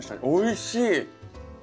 おいしい！